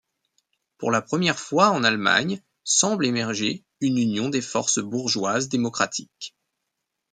Pour la première fois en Allemagne, semble émerger une union des forces bourgeoises démocratiques.